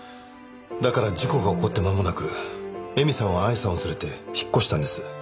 だから事故が起こってまもなく絵美さんは愛さんを連れて引っ越したんです。